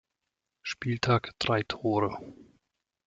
Spieltag drei Tore.